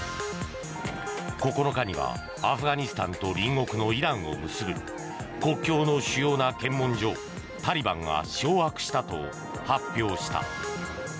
９日にはアフガニスタンと隣国のイランを結ぶ国境の主要な検問所をタリバンが掌握したと発表した。